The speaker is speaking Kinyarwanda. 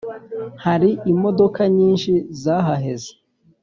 Hari imodoka nyinshi zahaheze